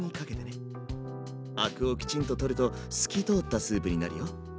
アクをきちんと取ると透き通ったスープになるよ。